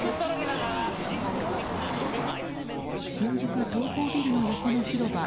新宿東宝ビルの横の広場